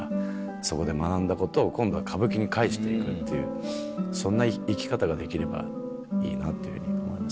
そこで学んだことを今度は歌舞伎に返していくっていうそんな生き方ができればいいなって思います。